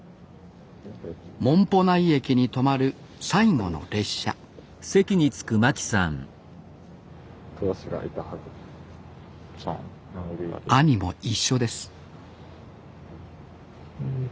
紋穂内駅に止まる最後の列車兄も一緒です